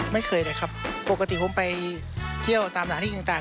ไม่เคยเลยครับปกติผมไปเที่ยวตามสถานที่ต่าง